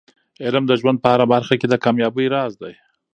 علم د ژوند په هره برخه کې د کامیابۍ راز دی.